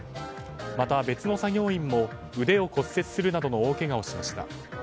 また別の作業員も腕を骨折するなどの大けがをしました。